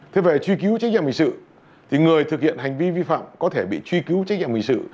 thế về truy cứu trách nhiệm hình sự thì người thực hiện hành vi vi phạm có thể bị truy cứu trách nhiệm hình sự